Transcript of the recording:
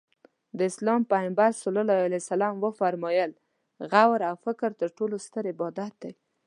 د اسلام پیغمبر ص وفرمایل غور او فکر تر ټولو ستر عبادت دی.